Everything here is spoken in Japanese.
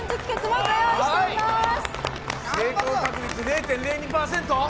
成功確率０．０２％？